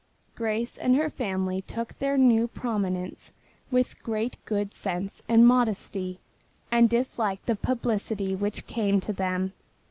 Grace and her family took their new prominence with great good sense and modesty, and disliked the publicity which came to them.